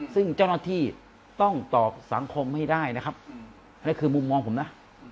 ซึ่งเจ้าหน้าที่ต้องตอบสังคมให้ได้นะครับนั่นคือมุมมองผมนะ